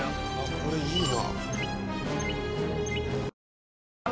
これいいな。